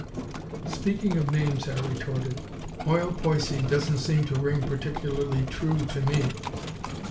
"Speaking of names," I retorted, "'Oil Poicy' doesn't seem to ring particularly true to me!"